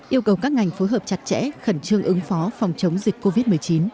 yêu cầu các ngành phối hợp chặt chẽ khẩn trương ứng phó phòng chống dịch covid một mươi chín